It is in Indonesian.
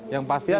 yang pasti dari